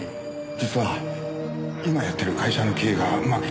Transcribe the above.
実は今やってる会社の経営がうまくいってなくてな。